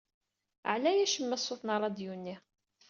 Ɛlay acemma ṣṣut n rradyu-nni.